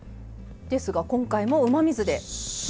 ですが今回もうまみ酢で。